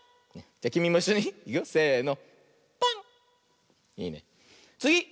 じゃきみもいっしょにいくよせの。